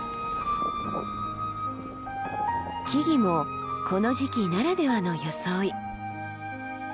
木々もこの時期ならではの装い。